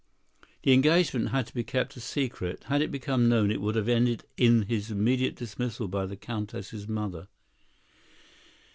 The engagement had to be kept a secret. Had it become known, it would have ended in his immediate dismissal by the Countess' mother.